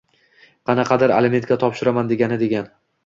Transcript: Qanaqadir alimentga topshiraman degani-degan